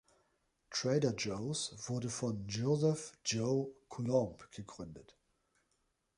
Trader Joe's wurde von Joseph „Joe“ Coulombe gegründet.